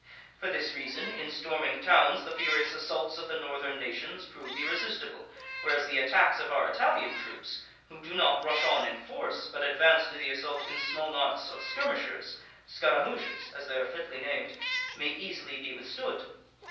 For this reason, in storming towns the furious assaults of the northern nations prove irresistible, whereas the attacks of our Italian troops, who do not rush on in force, but advance to the assault in small knots of skirmishers (scaramouches, as they are fitly named), may easily be withstood.